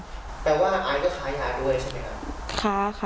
แปลว่าไอก็ค้ายาด้วยใช่ไหมครับ